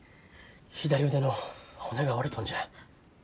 左腕の骨が折れとんじゃ。